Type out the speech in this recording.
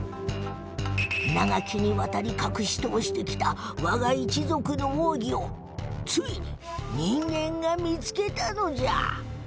長きにわたり隠し通してきた我が一族の奥義をついに人間が見つけたのじゃ。